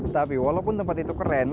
tapi walaupun tempat itu keren